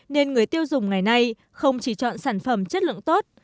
nên người tiêu dùng ngày nay không chỉ chọn sản phẩm chất lượng tốt